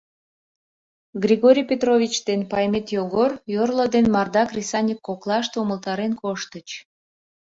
Григорий Петрович ден Паймет Йогор йорло ден марда кресаньык коклаште умылтарен коштыч: